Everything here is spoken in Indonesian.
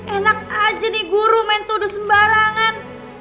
enak aja nih guru main tuduh sembarangan